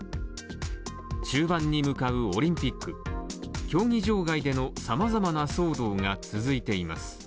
中盤に向かうオリンピック、競技場外でのさまざまな騒動が続いています。